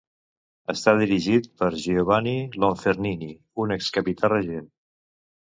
Està dirigit per Giovanni Lonfernini, un ex-capità regent.